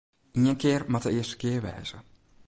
Ien kear moat de earste kear wêze.